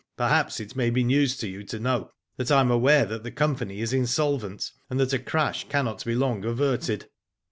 Perhaps it may be news to you to know that I am aware that the company is insolvent, and that a crash cannot long be averted.